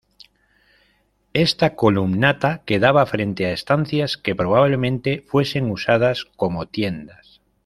Esta columnata quedaba frente a estancias que probablemente fuesen usadas como tiendas.